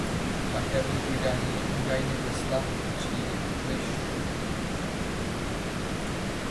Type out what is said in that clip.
Také byla údajně Tesla příliš ambiciózní a chtěla pokročilé funkce.